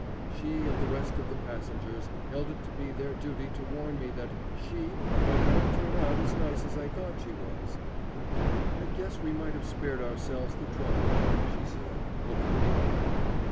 She and the rest of the passengers held it to be their duty to warn me that "She" might not turn out as nice as I thought she was. "I guess we might have spared ourselves the trouble," she said, looking me over.